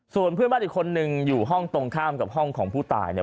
ส่วนเพื่อนบ้านอีกคนนึงอยู่ห้องตรงข้ามกับห้องของผู้ตายเนี่ย